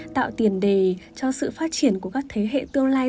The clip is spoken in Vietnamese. tạo tiền đề cho sự phát triển của các thế hệ tương lai